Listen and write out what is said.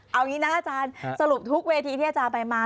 เอางี้นะอาจารย์สรุปทุกเวทีที่อาจารย์ไปมา